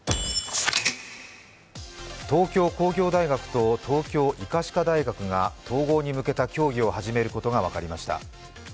東京工業大学と東京医科歯科大学が統合に向けた協議を始めることが分かりました。